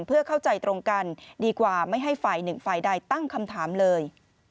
เพื่อเข้าใจตรงกันดีกว่าไม่ให้ฝ่ายหนึ่งฝ่ายใดตั้งคำถามเลย